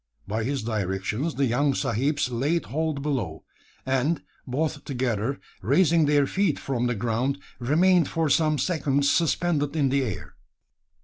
By his directions the young sahibs laid hold below; and, both together, raising their feet from the ground, remained for some seconds suspended in the air.